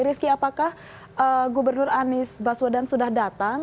rizky apakah gubernur anies baswedan sudah datang